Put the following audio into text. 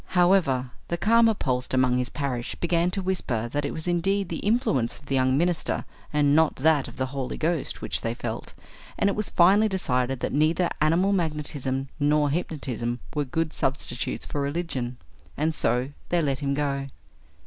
However, the calmer pulsed among his parish began to whisper that it was indeed the influence of the young minister and not that of the Holy Ghost which they felt, and it was finally decided that neither animal magnetism nor hypnotism were good substitutes for religion. And so they let him go.